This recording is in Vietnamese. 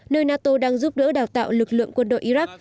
nơi nato đang giúp đỡ đào tạo lực lượng quân đội iraq